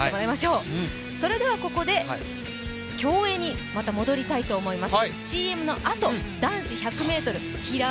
それではここで競泳にまた戻りたいと思います。